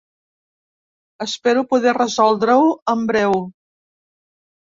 Espero poder resoldre-ho en breu.